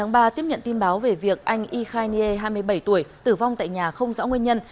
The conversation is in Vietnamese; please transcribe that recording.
bà tiếp nhận tin báo về việc anh yikai nie hai mươi bảy tuổi tử vong tại nhà không rõ nguyên nhân